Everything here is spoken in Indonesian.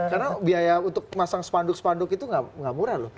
karena biaya untuk masang sepanduk sepanduk itu nggak murah loh